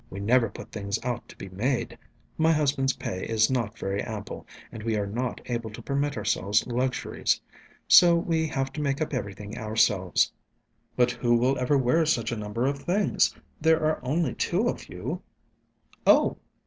We never put things out to be made. My husband's pay is not very ample, and we are not able to permit ourselves luxuries. So we have to make up everything ourselves." "But who will ever wear such a number of things? There are only two of you?" "Oh